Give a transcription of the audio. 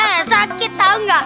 eh sakit tau engga